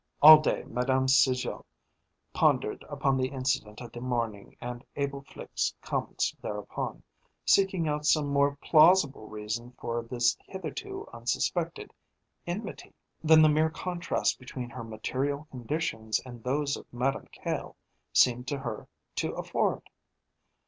All day Madame Sergeot pondered upon the incident of the morning and Abel Flique's comments thereupon, seeking out some more plausible reason for this hitherto unsuspected enmity than the mere contrast between her material conditions and those of Madame Caille seemed to her to afford.